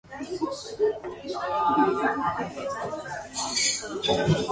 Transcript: The differential equations are now called the Kolmogorov equations or the Kolmogorov-Chapman equations.